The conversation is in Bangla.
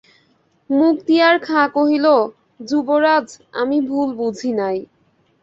মুক্তিয়ার খাঁ কহিল, যুবরাজ, আমি ভুল বুঝি নাই।